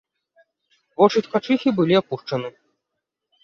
Вочы ткачыхі былі апушчаны.